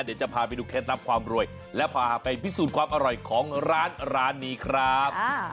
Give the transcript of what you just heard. เดี๋ยวจะพาไปดูเคล็ดลับความรวยและพาไปพิสูจน์ความอร่อยของร้านร้านนี้ครับ